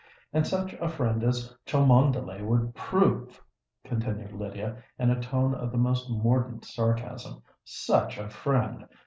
And such a friend as Cholmondeley would prove!" continued Lydia, in a tone of the most mordent sarcasm: "such a friend!